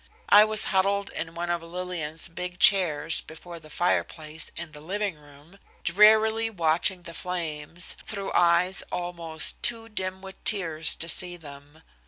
I was huddled in one of Lillian's big chairs before the fireplace in the living room, drearily watching the flames, through eyes almost too dim with tears to see them.